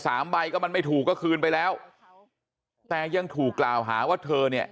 ใบก็มันไม่ถูกก็คืนไปแล้วแต่ยังถูกกล่าวหาว่าเธอเนี่ย